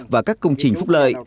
và các công trình phúc lợi